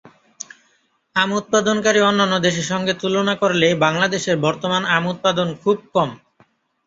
আম উৎপাদনকারী অন্যান্য দেশের সঙ্গে তুলনা করলে বাংলাদেশের বর্তমান আম উৎপাদন খুব কম।